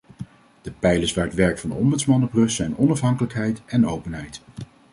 De pijlers waar het werk van de ombudsman op rust zijn onafhankelijkheid en openheid.